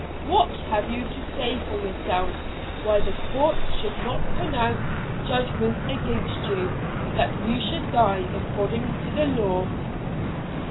What have you to say for yourselves why the Court should not pronounce judgment against you, that you die according to law?'